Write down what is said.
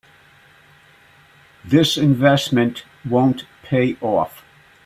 This investment won't pay off.